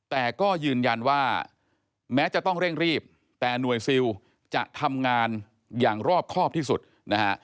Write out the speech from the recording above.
แต่ก็ยืนยันว่าแม้จะต้องเร่งรีบแต่หน่วยซิลจะทำงานอย่างรอบครอบที่สุดนะฮะ